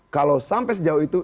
kalau sampai sejauh itu